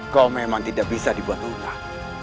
kau memang tidak bisa dibuat rumah